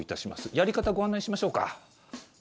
やり方、ご案内しましょうか？